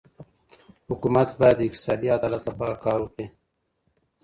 حکومت باید د اقتصادي عدالت لپاره کار وکړي.